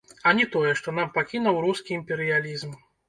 А не тое, што нам пакінуў рускі імперыялізм.